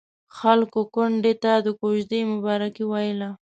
خلکو کونډې ته د کوژدې مبارکي ويله.